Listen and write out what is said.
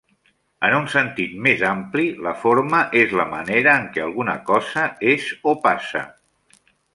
En un sentit més ampli, la forma és la manera en què alguna cosa és o passa.